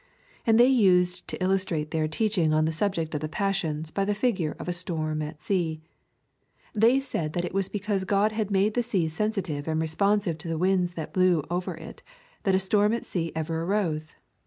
And they used to illustrate their teaching on the subject of the passions by the figure of a storm at sea. They said that it was because God had made the sea sensitive and responsive to the winds that blew over it that a storm at sea ever arose.